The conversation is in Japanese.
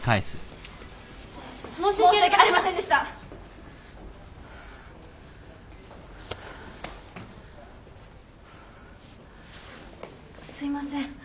すいません。